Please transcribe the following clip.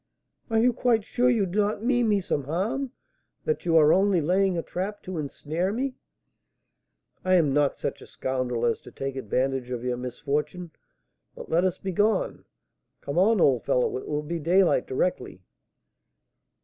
"Are you quite sure you do not mean me some harm? that you are only laying a trap to ensnare me?" "I am not such a scoundrel as to take advantage of your misfortune. But let us begone. Come on, old fellow; it will be daylight directly."